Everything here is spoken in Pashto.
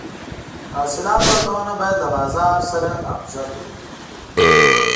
د حاصلاتو ارزونه باید له بازار سره همغږې وي.